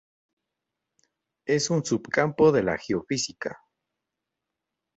Es un subcampo de la geofísica.